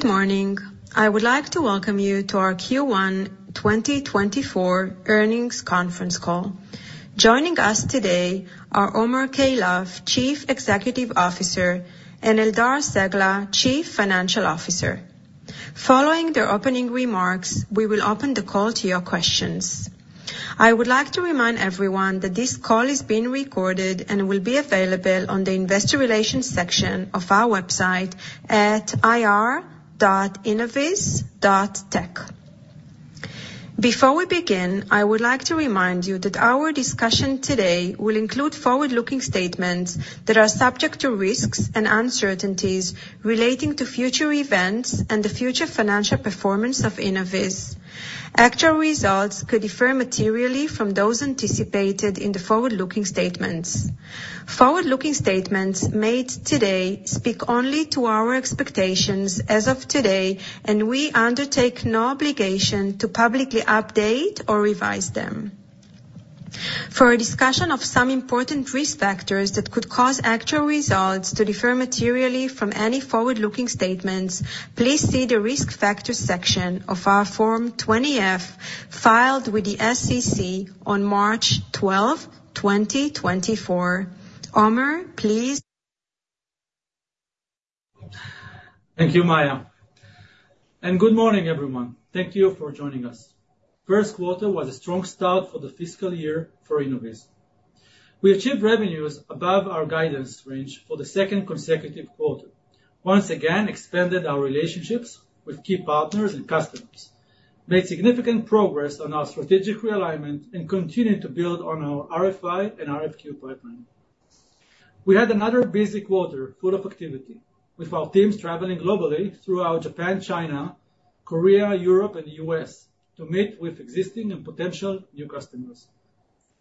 Good morning. I would like to welcome you to our Q1 2024 earnings conference call. Joining us today are Omer Keilaf, Chief Executive Officer, and Eldar Cegla, Chief Financial Officer. Following their opening remarks, we will open the call to your questions. I would like to remind everyone that this call is being recorded and will be available on the Investor Relations section of our website at ir.innoviz.tech. Before we begin, I would like to remind you that our discussion today will include forward-looking statements that are subject to risks and uncertainties relating to future events and the future financial performance of Innoviz. Actual results could differ materially from those anticipated in the forward-looking statements. Forward-looking statements made today speak only to our expectations as of today, and we undertake no obligation to publicly update or revise them. For a discussion of some important risk factors that could cause actual results to differ materially from any forward-looking statements, please see the Risk Factors section of our Form 20-F filed with the SEC on March 12, 2024. Omer, please. Thank you, Maya. Good morning, everyone. Thank you for joining us. First quarter was a strong start for the fiscal year for Innoviz. We achieved revenues above our guidance range for the second consecutive quarter, once again expanded our relationships with key partners and customers, made significant progress on our strategic realignment, and continued to build on our RFI and RFQ pipeline. We had another busy quarter full of activity, with our teams traveling globally throughout Japan, China, Korea, Europe, and the US to meet with existing and potential new customers.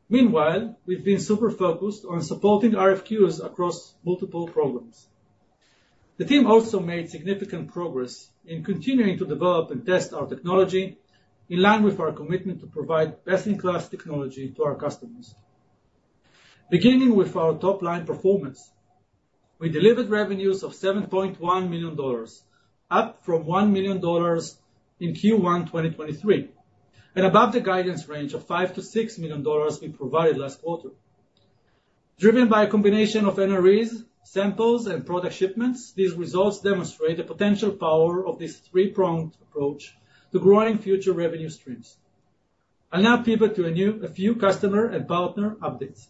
Meanwhile, we've been super focused on supporting RFQs across multiple programs. The team also made significant progress in continuing to develop and test our technology in line with our commitment to provide best-in-class technology to our customers. Beginning with our top-line performance, we delivered revenues of $7.1 million, up from $1 million in Q1 2023 and above the guidance range of $5 million-$6 million we provided last quarter. Driven by a combination of NREs, samples, and product shipments, these results demonstrate the potential power of this three-pronged approach to growing future revenue streams. I'll now pivot to a few customer and partner updates.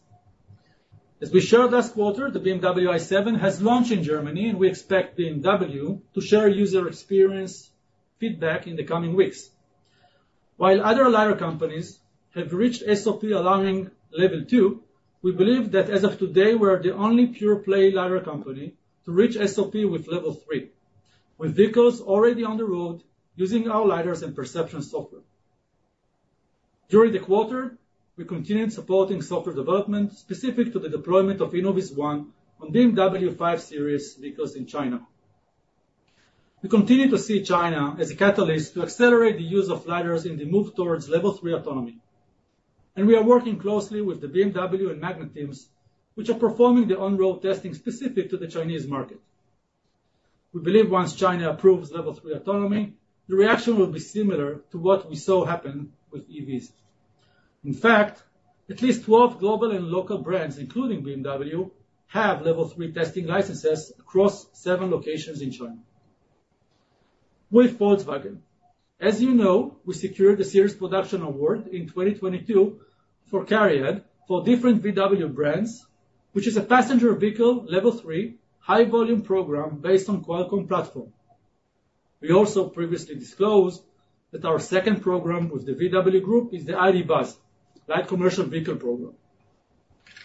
As we shared last quarter, the BMW i7 has launched in Germany, and we expect BMW to share user experience feedback in the coming weeks. While other LiDAR companies have reached SOP-allowing Level 2, we believe that as of today we are the only pure-play LiDAR company to reach SOP with Level 3, with vehicles already on the road using our LiDARs and perception software. During the quarter, we continued supporting software development specific to the deployment of InnovizOne on BMW 5 Series vehicles in China. We continue to see China as a catalyst to accelerate the use of LiDAR in the move towards Level 3 autonomy, and we are working closely with the BMW and Magna teams, which are performing the on-road testing specific to the Chinese market. We believe once China approves Level 3 autonomy, the reaction will be similar to what we saw happen with EVs. In fact, at least 12 global and local brands, including BMW, have Level 3 testing licenses across 7 locations in China. With Volkswagen, as you know, we secured the Series Production Award in 2022 for CARIAD for different VW brands, which is a passenger vehicle Level 3 high-volume program based on Qualcomm platform. We also previously disclosed that our second program with the VW Group is the ID. Buzz, Light Commercial Vehicle Program.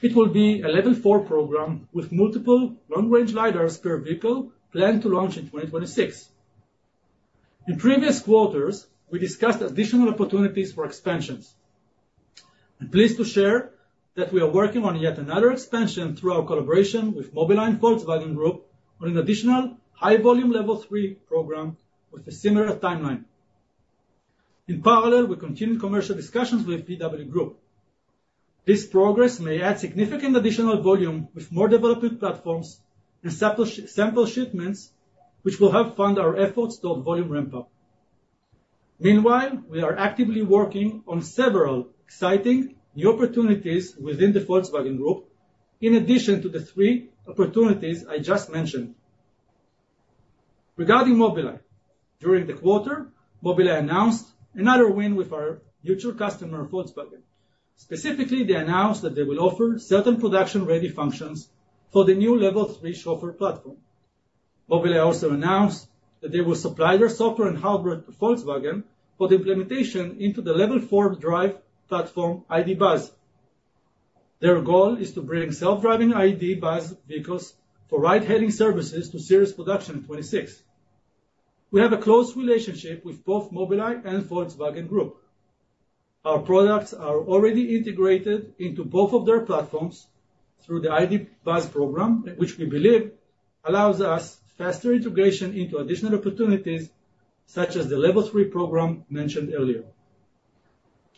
It will be a Level 4 program with multiple long-range LiDARs per vehicle planned to launch in 2026. In previous quarters, we discussed additional opportunities for expansions. I'm pleased to share that we are working on yet another expansion through our collaboration with Mobileye and Volkswagen Group on an additional high-volume Level 3 program with a similar timeline. In parallel, we continued commercial discussions with VW Group. This progress may add significant additional volume with more development platforms and sample shipments, which will help fund our efforts toward volume ramp-up. Meanwhile, we are actively working on several exciting new opportunities within the Volkswagen Group, in addition to the three opportunities I just mentioned. Regarding Mobileye, during the quarter, Mobileye announced another win with our mutual customer, Volkswagen. Specifically, they announced that they will offer certain production-ready functions for the new Level 3 Chauffeur platform. Mobileye also announced that they will supply their software and hardware to Volkswagen for the implementation into the Level 4 Drive platform, ID. Buzz. Their goal is to bring self-driving ID. Buzz vehicles for ride-hailing services to series production in 2026. We have a close relationship with both Mobileye and Volkswagen Group. Our products are already integrated into both of their platforms through the ID. Buzz program, which we believe allows us faster integration into additional opportunities such as the Level 3 program mentioned earlier.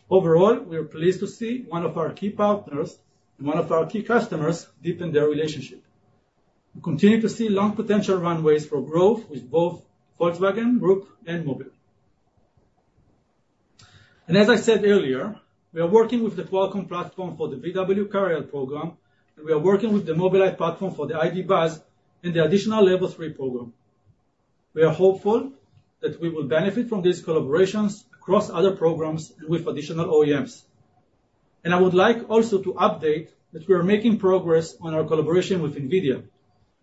Overall, we are pleased to see one of our key partners and one of our key customers deepen their relationship. We continue to see long potential runways for growth with both Volkswagen Group and Mobileye. As I said earlier, we are working with the Qualcomm platform for the VW CARIAD program, and we are working with the Mobileye platform for the ID. Buzz and the additional Level 3 program. We are hopeful that we will benefit from these collaborations across other programs and with additional OEMs. I would like also to update that we are making progress on our collaboration with NVIDIA,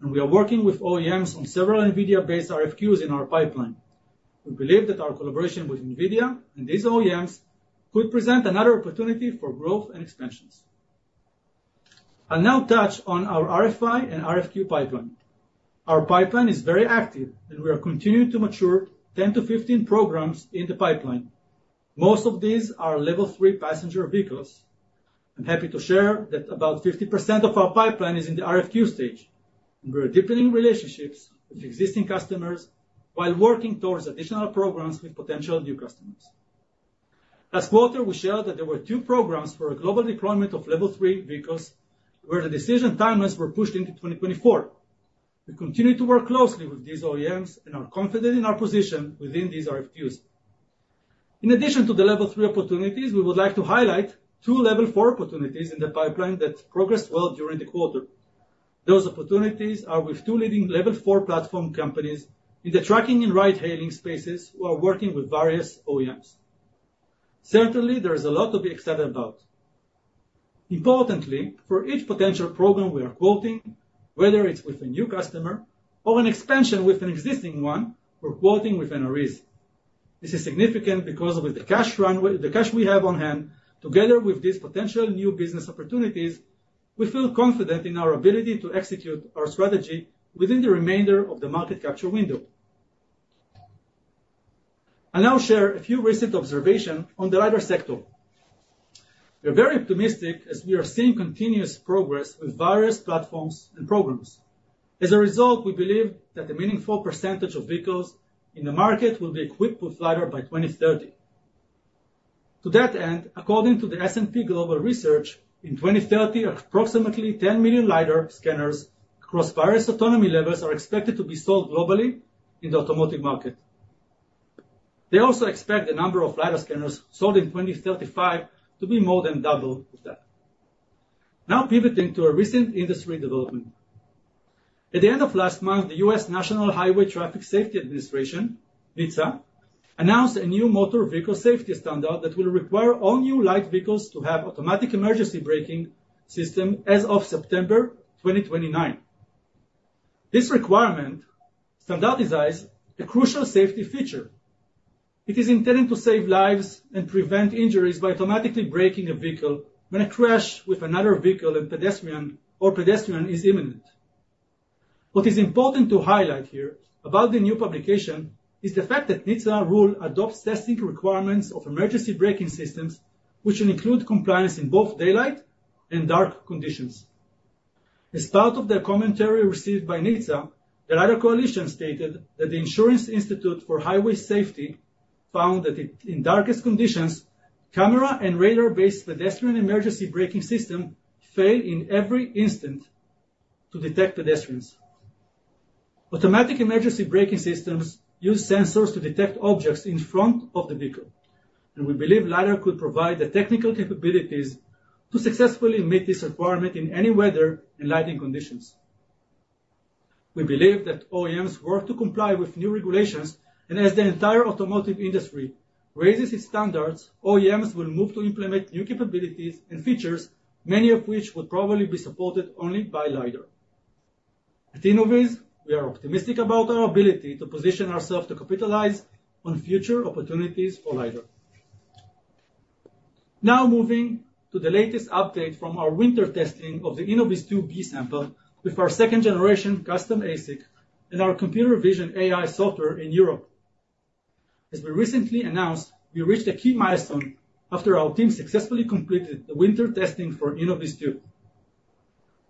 and we are working with OEMs on several NVIDIA-based RFQs in our pipeline. We believe that our collaboration with NVIDIA and these OEMs could present another opportunity for growth and expansions. I'll now touch on our RFI and RFQ pipeline. Our pipeline is very active, and we are continuing to mature 10-15 programs in the pipeline. Most of these are Level 3 passenger vehicles. I'm happy to share that about 50% of our pipeline is in the RFQ stage, and we are deepening relationships with existing customers while working towards additional programs with potential new customers. Last quarter, we shared that there were two programs for a global deployment of Level 3 vehicles where the decision timelines were pushed into 2024. We continue to work closely with these OEMs and are confident in our position within these RFQs. In addition to the Level 3 opportunities, we would like to highlight two Level 4 opportunities in the pipeline that progressed well during the quarter. Those opportunities are with two leading Level 4 platform companies in the trucking and ride-hailing spaces who are working with various OEMs. Certainly, there is a lot to be excited about. Importantly, for each potential program we are quoting, whether it's with a new customer or an expansion with an existing one, we're quoting with NREs. This is significant because with the cash we have on hand, together with these potential new business opportunities, we feel confident in our ability to execute our strategy within the remainder of the market capture window. I'll now share a few recent observations on the LiDAR sector. We are very optimistic as we are seeing continuous progress with various platforms and programs. As a result, we believe that a meaningful percentage of vehicles in the market will be equipped with LiDAR by 2030. To that end, according to the S&P Global Research, in 2030, approximately 10 million LiDAR scanners across various autonomy levels are expected to be sold globally in the automotive market. They also expect the number of LiDAR scanners sold in 2035 to be more than double that. Now pivoting to a recent industry development. At the end of last month, the U.S. National Highway Traffic Safety Administration, NHTSA, announced a new motor vehicle safety standard that will require all new light vehicles to have automatic emergency braking systems as of September 2029. This requirement standardizes a crucial safety feature. It is intended to save lives and prevent injuries by automatically braking a vehicle when a crash with another vehicle or pedestrian is imminent. What is important to highlight here about the new publication is the fact that NHTSA rule adopts testing requirements of emergency braking systems, which will include compliance in both daylight and dark conditions. As part of their commentary received by NHTSA, the LiDAR Coalition stated that the Insurance Institute for Highway Safety found that in darkest conditions, camera and radar-based pedestrian emergency braking systems fail in every instant to detect pedestrians. Automatic emergency braking systems use sensors to detect objects in front of the vehicle, and we believe LiDAR could provide the technical capabilities to successfully meet this requirement in any weather and lighting conditions. We believe that OEMs work to comply with new regulations, and as the entire automotive industry raises its standards, OEMs will move to implement new capabilities and features, many of which would probably be supported only by LiDAR. At Innoviz, we are optimistic about our ability to position ourselves to capitalize on future opportunities for LiDAR. Now moving to the latest update from our winter testing of the InnovizTwo B-sample with our second-generation custom ASIC and our Computer Vision AI software in Europe. As we recently announced, we reached a key milestone after our team successfully completed the winter testing for InnovizTwo.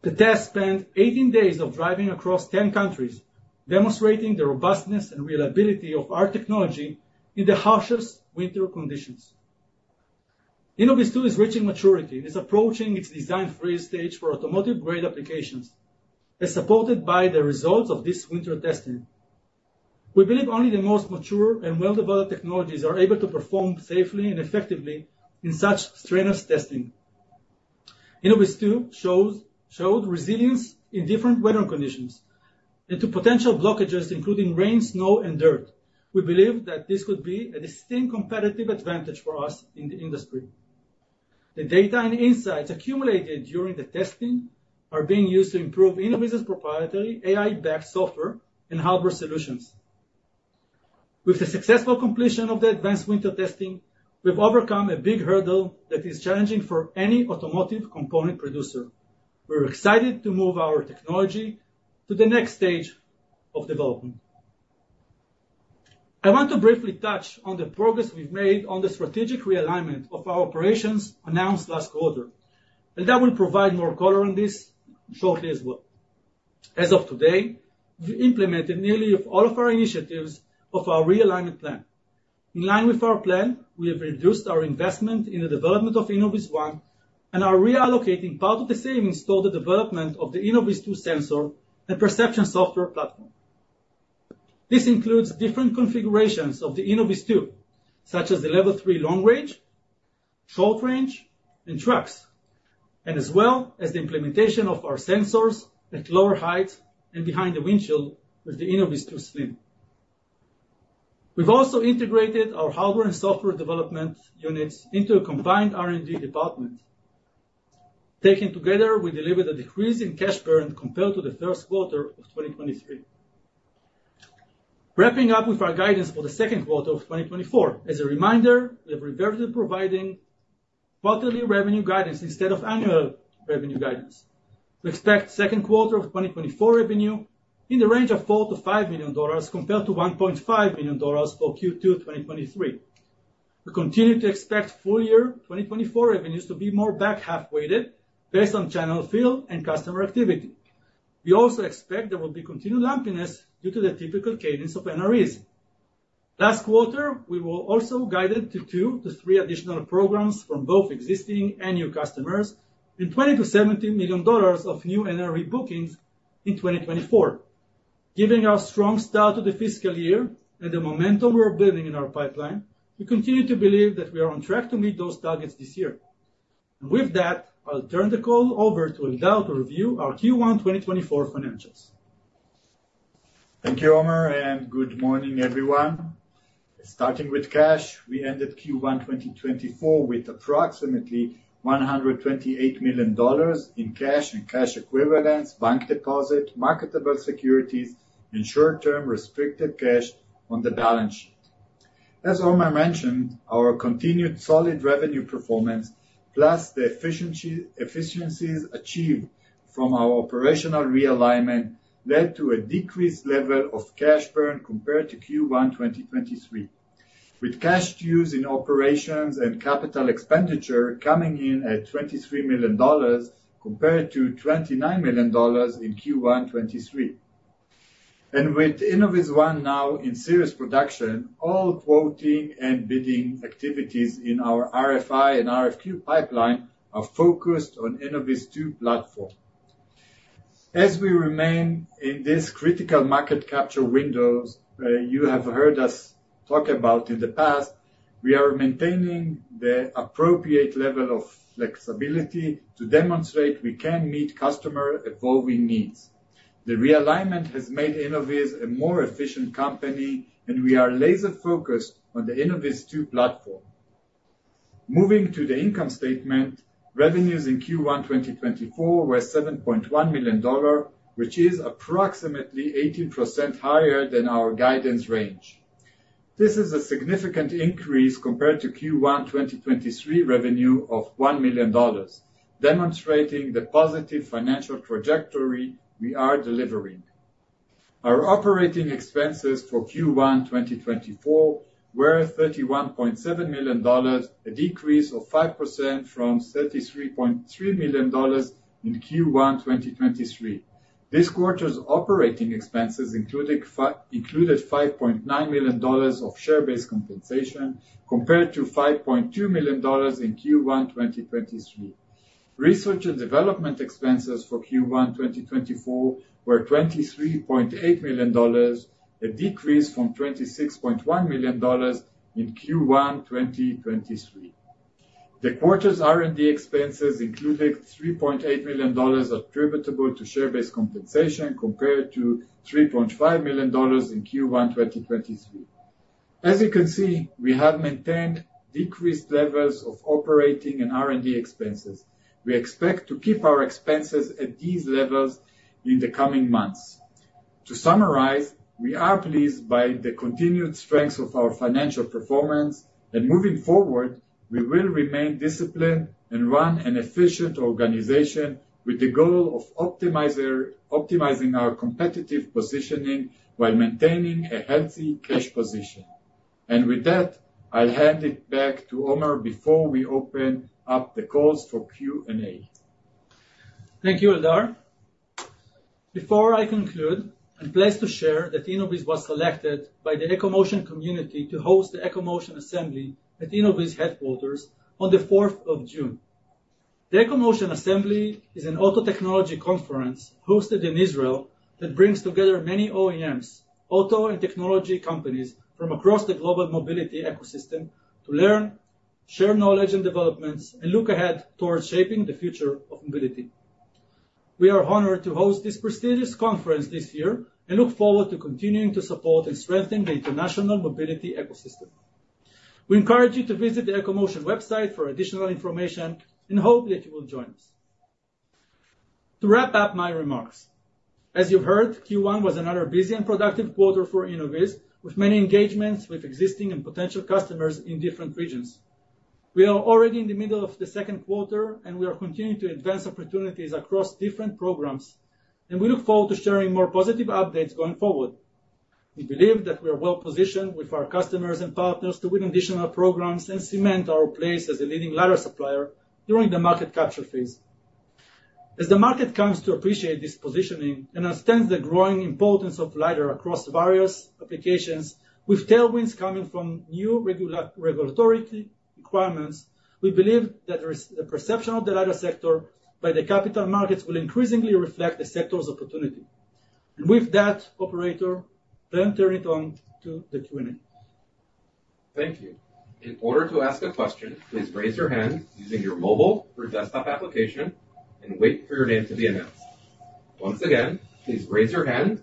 The test spanned 18 days of driving across 10 countries, demonstrating the robustness and reliability of our technology in the harshest winter conditions. InnovizTwo is reaching maturity and is approaching its design phase stage for automotive-grade applications, as supported by the results of this winter testing. We believe only the most mature and well-developed technologies are able to perform safely and effectively in such strenuous testing. InnovizTwo showed resilience in different weather conditions, and to potential blockages including rain, snow, and dirt, we believe that this could be a distinct competitive advantage for us in the industry. The data and insights accumulated during the testing are being used to improve Innoviz's proprietary AI-backed software and hardware solutions. With the successful completion of the advanced winter testing, we've overcome a big hurdle that is challenging for any automotive component producer. We're excited to move our technology to the next stage of development. I want to briefly touch on the progress we've made on the strategic realignment of our operations announced last quarter, and that will provide more color on this shortly as well. As of today, we've implemented nearly all of our initiatives of our realignment plan. In line with our plan, we have reduced our investment in the development of InnovizOne and are reallocating part of the savings toward the development of the InnovizTwo sensor and perception software platform. This includes different configurations of the InnovizTwo, such as the Level 3 long range, short range, and trucks, and as well as the implementation of our sensors at lower heights and behind the windshield with the InnovizTwo Slim. We've also integrated our hardware and software development units into a combined R&D department. Taken together, we delivered a decrease in cash burn compared to the first quarter of 2023. Wrapping up with our guidance for the second quarter of 2024, as a reminder, we have reverted to providing quarterly revenue guidance instead of annual revenue guidance. We expect second quarter of 2024 revenue in the range of $4 million-$5 million compared to $1.5 million for Q2 2023. We continue to expect full-year 2024 revenues to be more back-half-weighted based on channel fill and customer activity. We also expect there will be continued lumpiness due to the typical cadence of NREs. Last quarter, we were also guided to 2-3 additional programs from both existing and new customers and $20 million-$17 million of new NRE bookings in 2024. Given our strong start to the fiscal year and the momentum we're building in our pipeline, we continue to believe that we are on track to meet those targets this year. With that, I'll turn the call over to Eldar to review our Q1 2024 financials. Thank you, Omer, and good morning, everyone. Starting with cash, we ended Q1 2024 with approximately $128 million in cash and cash equivalents, bank deposit, marketable securities, and short-term restricted cash on the balance sheet. As Omer mentioned, our continued solid revenue performance, plus the efficiencies achieved from our operational realignment, led to a decreased level of cash burn compared to Q1 2023, with cash to use in operations and capital expenditure coming in at $23 million compared to $29 million in Q1 2023. And with InnovizOne now in series production, all quoting and bidding activities in our RFI and RFQ pipeline are focused on InnovizTwo platform. As we remain in this critical market capture window you have heard us talk about in the past, we are maintaining the appropriate level of flexibility to demonstrate we can meet customer evolving needs. The realignment has made Innoviz a more efficient company, and we are laser-focused on the InnovizTwo platform. Moving to the income statement, revenues in Q1 2024 were $7.1 million, which is approximately 18% higher than our guidance range. This is a significant increase compared to Q1 2023 revenue of $1 million, demonstrating the positive financial trajectory we are delivering. Our operating expenses for Q1 2024 were $31.7 million, a decrease of 5% from $33.3 million in Q1 2023. This quarter's operating expenses included $5.9 million of share-based compensation compared to $5.2 million in Q1 2023. Research and development expenses for Q1 2024 were $23.8 million, a decrease from $26.1 million in Q1 2023. The quarter's R&D expenses included $3.8 million attributable to share-based compensation compared to $3.5 million in Q1 2023. As you can see, we have maintained decreased levels of operating and R&D expenses. We expect to keep our expenses at these levels in the coming months. To summarize, we are pleased by the continued strengths of our financial performance, and moving forward, we will remain disciplined and run an efficient organization with the goal of optimizing our competitive positioning while maintaining a healthy cash position. With that, I'll hand it back to Omer before we open up the calls for Q&A. Thank you, Eldar. Before I conclude, I'm pleased to share that Innoviz was selected by the EcoMotion community to host the EcoMotion Assembly at Innoviz headquarters on the 4th of June. The EcoMotion Assembly is an auto technology conference hosted in Israel that brings together many OEMs, auto and technology companies from across the global mobility ecosystem to learn, share knowledge and developments, and look ahead towards shaping the future of mobility. We are honored to host this prestigious conference this year and look forward to continuing to support and strengthen the international mobility ecosystem. We encourage you to visit the EcoMotion website for additional information and hope that you will join us. To wrap up my remarks, as you've heard, Q1 was another busy and productive quarter for Innoviz, with many engagements with existing and potential customers in different regions. We are already in the middle of the second quarter, and we are continuing to advance opportunities across different programs, and we look forward to sharing more positive updates going forward. We believe that we are well positioned with our customers and partners to win additional programs and cement our place as a leading LiDAR supplier during the market capture phase. As the market comes to appreciate this positioning and understands the growing importance of LiDAR across various applications, with tailwinds coming from new regulatory requirements, we believe that the perception of the LiDAR sector by the capital markets will increasingly reflect the sector's opportunity. With that, Operator, I'll turn it on to the Q&A. Thank you. In order to ask a question, please raise your hand using your mobile or desktop application and wait for your name to be announced. Once again, please raise your hand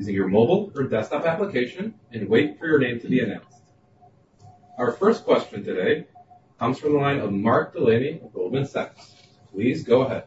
using your mobile or desktop application and wait for your name to be announced. Our first question today comes from the line of Mark Delaney of Goldman Sachs. Please go ahead.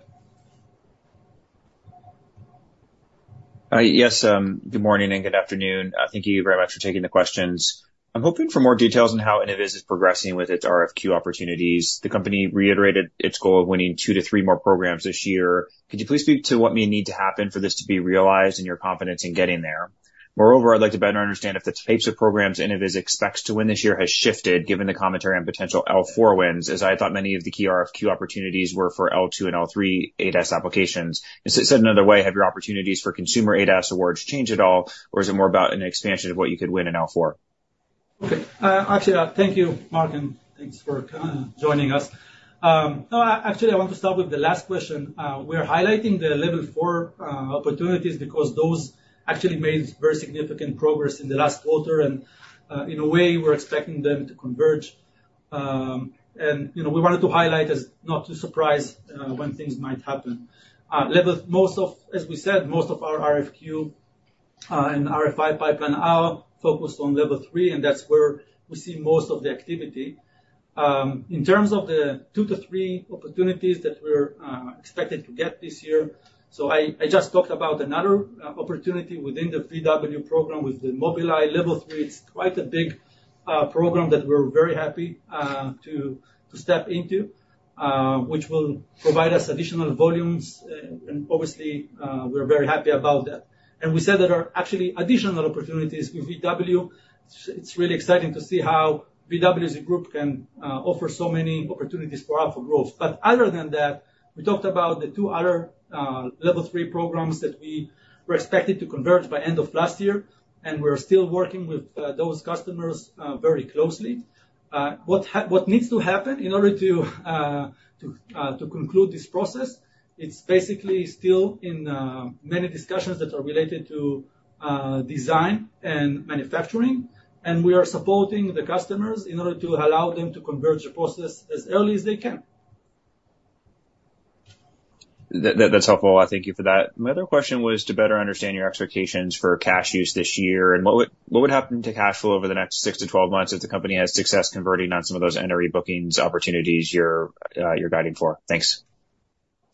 Yes. Good morning and good afternoon. Thank you very much for taking the questions. I'm hoping for more details on how Innoviz is progressing with its RFQ opportunities. The company reiterated its goal of winning 2-3 more programs this year. Could you please speak to what may need to happen for this to be realized and your confidence in getting there? Moreover, I'd like to better understand if the types of programs Innoviz expects to win this year have shifted given the commentary on potential L4 wins, as I thought many of the key RFQ opportunities were for L2 and L3 ADAS applications. Said another way, have your opportunities for consumer ADAS awards changed at all, or is it more about an expansion of what you could win in L4? Okay. Actually, thank you, Mark, and thanks for joining us. Actually, I want to start with the last question. We are highlighting the Level 4 opportunities because those actually made very significant progress in the last quarter, and in a way, we're expecting them to converge. And we wanted to highlight as not to surprise when things might happen. Most of, as we said, most of our RFQ and RFI pipeline are focused on Level 3, and that's where we see most of the activity. In terms of the 2-3 opportunities that we're expected to get this year so I just talked about another opportunity within the VW program with the Mobileye Level 3. It's quite a big program that we're very happy to step into, which will provide us additional volumes, and obviously, we're very happy about that. And we said that there are actually additional opportunities with VW. It's really exciting to see how VW as a group can offer so many opportunities for L4 growth. But other than that, we talked about the two other Level 3 programs that we were expected to converge by end of last year, and we're still working with those customers very closely. What needs to happen in order to conclude this process? It's basically still in many discussions that are related to design and manufacturing, and we are supporting the customers in order to allow them to converge the process as early as they can. That's helpful. Thank you for that. My other question was to better understand your expectations for cash use this year, and what would happen to cash flow over the next 6-12 months if the company has success converting on some of those NRE bookings opportunities you're guiding for? Thanks.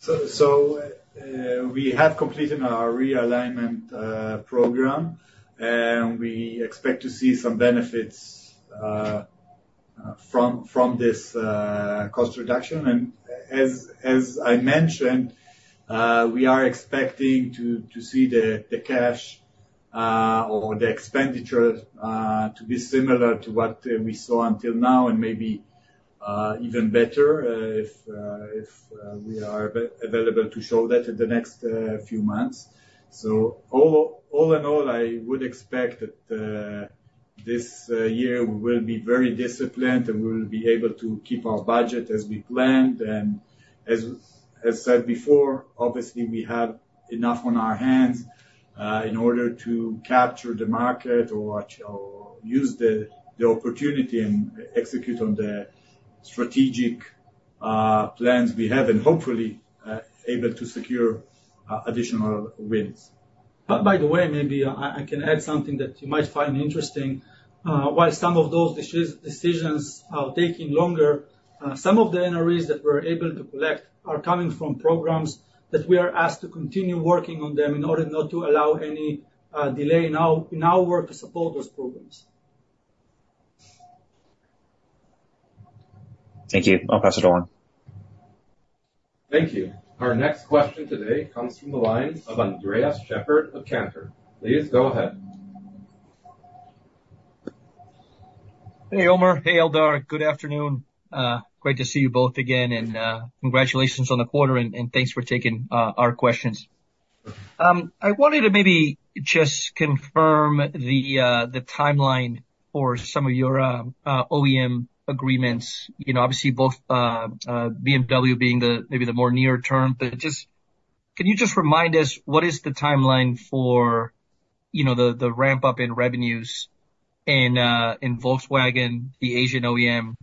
We have completed our realignment program, and we expect to see some benefits from this cost reduction. As I mentioned, we are expecting to see the cash or the expenditure to be similar to what we saw until now and maybe even better if we are available to show that in the next few months. All in all, I would expect that this year we will be very disciplined and we will be able to keep our budget as we planned. As said before, obviously, we have enough on our hands in order to capture the market or use the opportunity and execute on the strategic plans we have, and hopefully able to secure additional wins. By the way, maybe I can add something that you might find interesting. While some of those decisions are taking longer, some of the NREs that we're able to collect are coming from programs that we are asked to continue working on them in order not to allow any delay in our work to support those programs. Thank you. I'll pass it on. Thank you. Our next question today comes from the line of Andres Sheppard of Cantor Fitzgerald. Please go ahead. Hey, Omer. Hey, Eldar. Good afternoon. Great to see you both again, and congratulations on the quarter, and thanks for taking our questions. I wanted to maybe just confirm the timeline for some of your OEM agreements. Obviously, both BMW being maybe the more near term, but can you just remind us what is the timeline for the ramp-up in revenues in Volkswagen, the Asian OEM,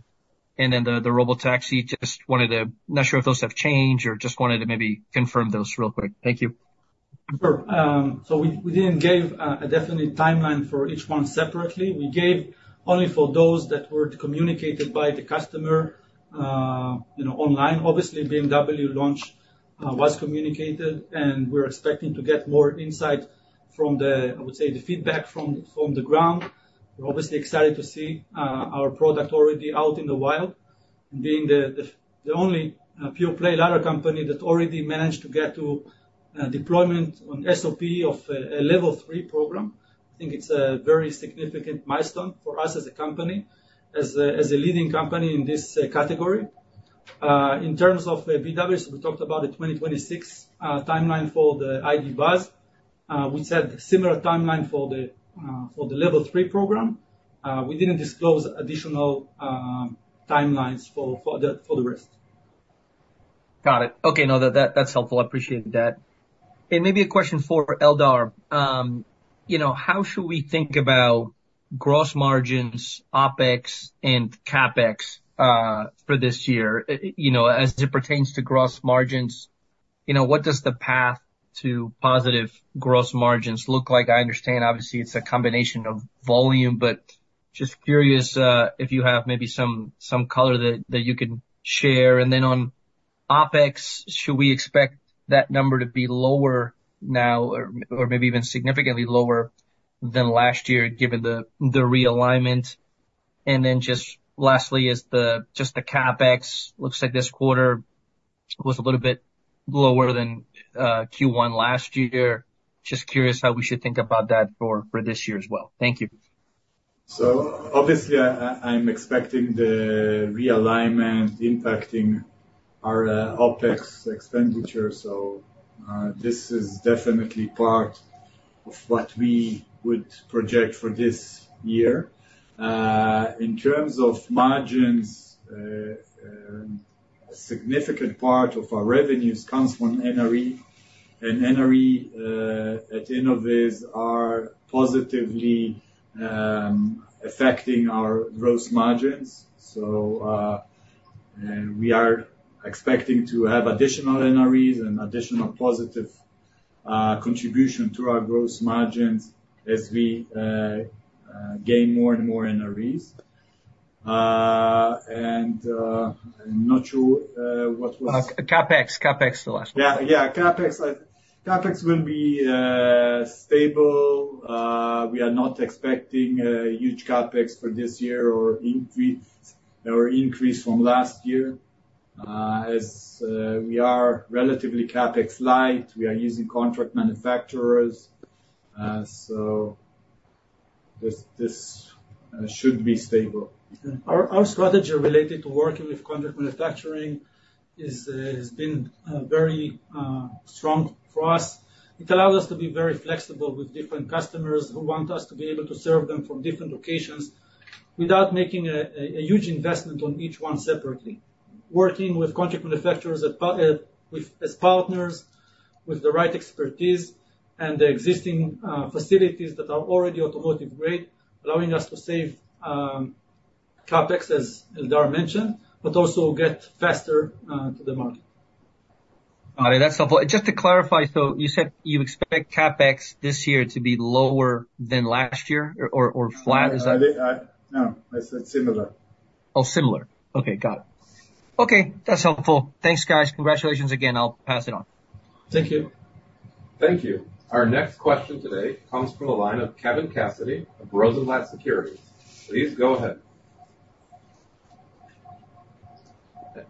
and then the Robotaxi? Just wanted to not sure if those have changed or just wanted to maybe confirm those real quick. Thank you. Sure. So we didn't give a definite timeline for each one separately. We gave only for those that were communicated by the customer online. Obviously, BMW launch was communicated, and we're expecting to get more insight from the, I would say, the feedback from the ground. We're obviously excited to see our product already out in the wild and being the only pure-play LiDAR company that already managed to get to deployment on SOP of a Level 3 program. I think it's a very significant milestone for us as a company, as a leading company in this category. In terms of VW, so we talked about a 2026 timeline for the ID. Buzz. We said similar timeline for the Level 3 program. We didn't disclose additional timelines for the rest. Got it. Okay. No, that's helpful. I appreciate that. And maybe a question for Eldar. How should we think about gross margins, OpEx, and CapEx for this year? As it pertains to gross margins, what does the path to positive gross margins look like? I understand, obviously, it's a combination of volume, but just curious if you have maybe some color that you can share. And then on OpEx, should we expect that number to be lower now or maybe even significantly lower than last year given the realignment? And then just lastly, just the CapEx, looks like this quarter was a little bit lower than Q1 last year. Just curious how we should think about that for this year as well. Thank you. So obviously, I'm expecting the realignment impacting our OpEx expenditure. So this is definitely part of what we would project for this year. In terms of margins, a significant part of our revenues comes from NRE, and NRE at Innoviz are positively affecting our gross margins. So we are expecting to have additional NREs and additional positive contribution to our gross margins as we gain more and more NREs. And I'm not sure what was. CapEx. CapEx is the last one. Yeah. Yeah. CapEx will be stable. We are not expecting huge CapEx for this year or increase from last year. We are relatively CapEx light. We are using contract manufacturers, so this should be stable. Our strategy related to working with contract manufacturing has been very strong for us. It allows us to be very flexible with different customers who want us to be able to serve them from different locations without making a huge investment on each one separately. Working with contract manufacturers as partners with the right expertise and the existing facilities that are already automotive-grade, allowing us to save CapEx, as Eldar mentioned, but also get faster to the market. Got it. That's helpful. Just to clarify, so you said you expect CapEx this year to be lower than last year or flat? Is that? No. I said similar. Oh, similar. Okay. Got it. Okay. That's helpful. Thanks, guys. Congratulations again. I'll pass it on. Thank you. Thank you. Our next question today comes from the line of Kevin Cassidy of Rosenblatt Securities. Please go ahead.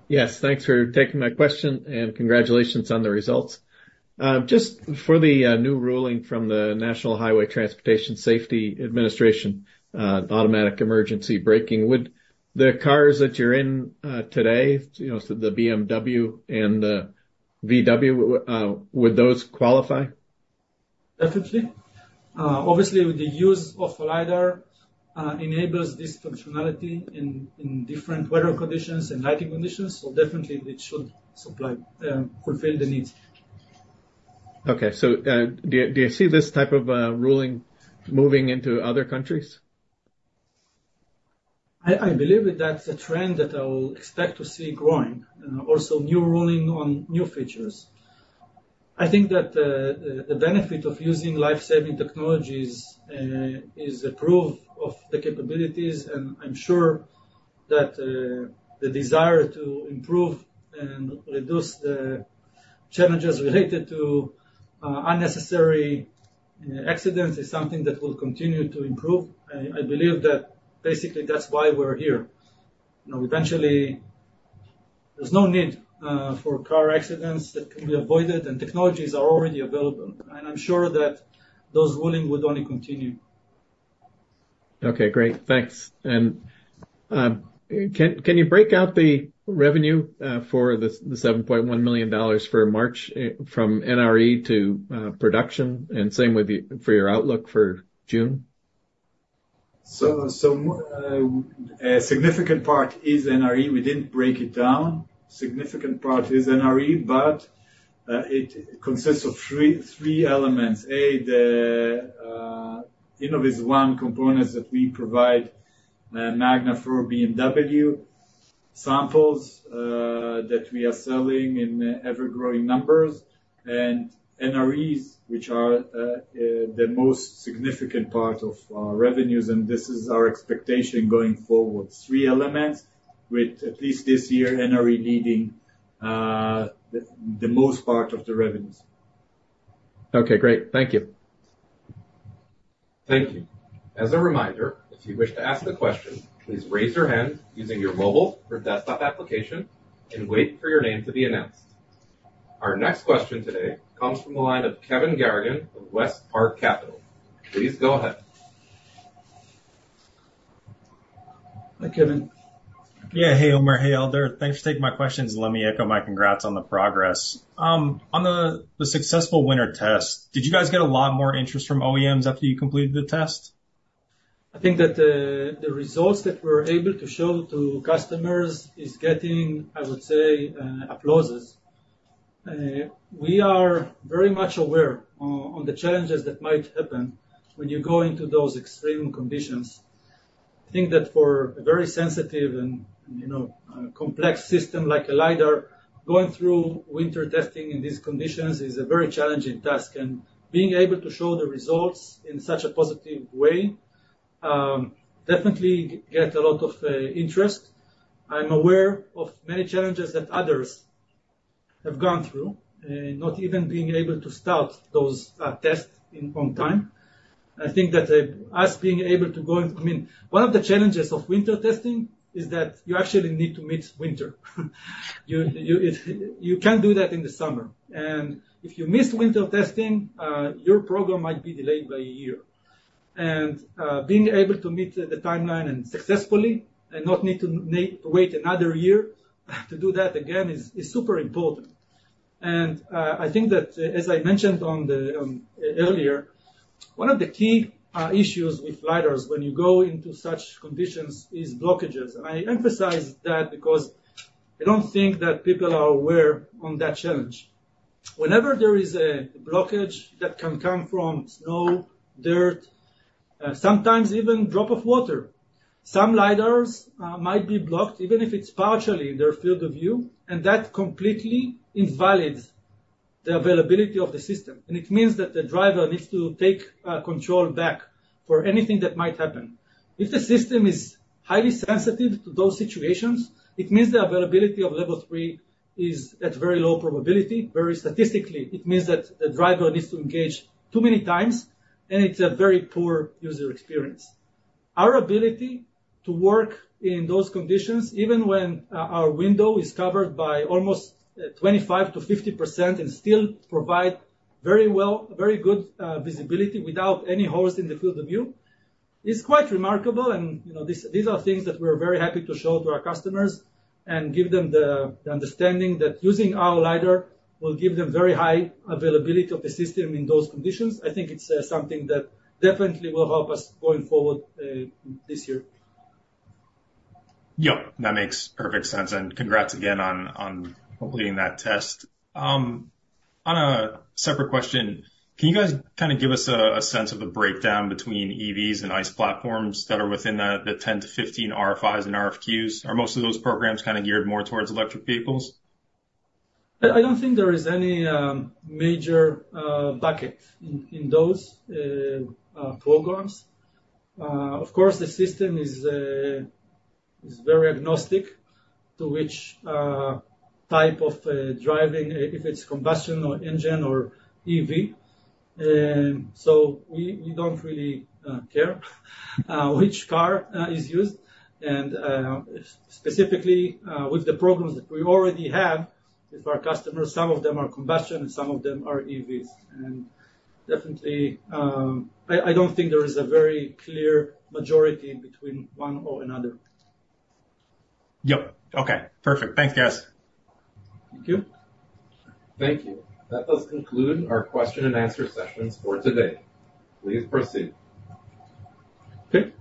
Yes. Thanks for taking my question, and congratulations on the results. Just for the new ruling from the National Highway Traffic Safety Administration, automatic emergency braking, would the cars that you're in today, the BMW and the VW, would those qualify? Definitely. Obviously, the use of a LiDAR enables this functionality in different weather conditions and lighting conditions. So definitely, it should fulfill the needs. Okay. So do you see this type of ruling moving into other countries? I believe that that's a trend that I will expect to see growing, also new ruling on new features. I think that the benefit of using life-saving technologies is a proof of the capabilities, and I'm sure that the desire to improve and reduce the challenges related to unnecessary accidents is something that will continue to improve. I believe that basically, that's why we're here. Eventually, there's no need for car accidents that can be avoided, and technologies are already available. I'm sure that those rulings would only continue. Okay. Great. Thanks. Can you break out the revenue for the $7.1 million for March from NRE to production, and same for your outlook for June? A significant part is NRE. We didn't break it down. A significant part is NRE, but it consists of three elements: the InnovizOne components that we provide Magna for BMW, samples that we are selling in ever-growing numbers, and NREs, which are the most significant part of our revenues, and this is our expectation going forward. Three elements with at least this year NRE leading the most part of the revenues. Okay. Great. Thank you. Thank you. As a reminder, if you wish to ask a question, please raise your hand using your mobile or desktop application and wait for your name to be announced. Our next question today comes from the line of Kevin Garrigan of WestPark Capital. Please go ahead. Hi, Kevin. Yeah. Hey, Omer. Hey, Eldar. Thanks for taking my questions. Let me echo my congrats on the progress. On the successful winter test, did you guys get a lot more interest from OEMs after you completed the test? I think that the results that we're able to show to customers is getting, I would say, applauses. We are very much aware of the challenges that might happen when you go into those extreme conditions. I think that for a very sensitive and complex system like a LiDAR, going through winter testing in these conditions is a very challenging task. And being able to show the results in such a positive way definitely gets a lot of interest. I'm aware of many challenges that others have gone through, not even being able to start those tests on time. I think that us being able to go into, I mean, one of the challenges of winter testing is that you actually need to meet winter. You can't do that in the summer. And if you miss winter testing, your program might be delayed by a year. Being able to meet the timeline successfully and not need to wait another year to do that again is super important. I think that, as I mentioned earlier, one of the key issues with LiDARs when you go into such conditions is blockages. I emphasize that because I don't think that people are aware of that challenge. Whenever there is a blockage that can come from snow, dirt, sometimes even a drop of water, some LiDARs might be blocked even if it's partially in their field of view, and that completely invalidates the availability of the system. It means that the driver needs to take control back for anything that might happen. If the system is highly sensitive to those situations, it means the availability of Level 3 is at very low probability. Very statistically, it means that the driver needs to engage too many times, and it's a very poor user experience. Our ability to work in those conditions, even when our window is covered by almost 25%-50% and still provide very good visibility without any holes in the field of view, is quite remarkable. These are things that we're very happy to show to our customers and give them the understanding that using our LiDAR will give them very high availability of the system in those conditions. I think it's something that definitely will help us going forward this year. Yep. That makes perfect sense. Congrats again on completing that test. On a separate question, can you guys kind of give us a sense of the breakdown between EVs and ICE platforms that are within the 10-15 RFIs and RFQs? Are most of those programs kind of geared more towards electric vehicles? I don't think there is any major bucket in those programs. Of course, the system is very agnostic to which type of driving, if it's combustion or engine or EV. So we don't really care which car is used. And specifically, with the programs that we already have with our customers, some of them are combustion and some of them are EVs. And definitely, I don't think there is a very clear majority between one or another. Yep. Okay. Perfect. Thanks, guys. Thank you. Thank you. That does conclude our question-and-answer sessions for today. Please proceed. Okay.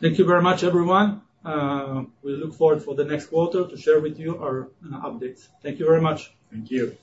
Thank you very much, everyone. We look forward to the next quarter to share with you our updates. Thank you very much. Thank you.